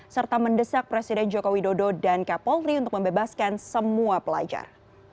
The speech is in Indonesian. serta mendesak presiden joko widodo dan kapolri untuk membebaskan semua pelajar